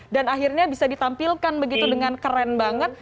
dan akhirnya bisa ditampilkan begitu dengan keren banget